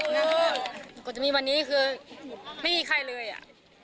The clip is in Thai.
ที่กดจะมีวันนี้คือไม่มีใครเลยอ่ะ